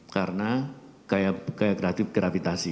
karena kayak kreatif gravitasi